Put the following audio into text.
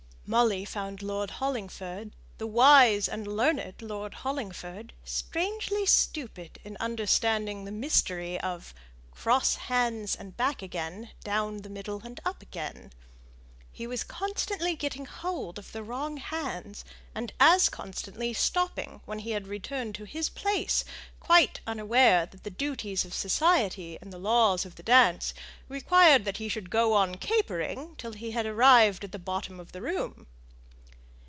Molly found Lord Hollingford, the wise and learned Lord Hollingford, strangely stupid in understanding the mystery of "Cross hands and back again, down the middle and up again." He was constantly getting hold of the wrong hands, and as constantly stopping when he had returned to his place, quite unaware that the duties of society and the laws of the dance required that he should go on capering till he had arrived at the bottom of the room.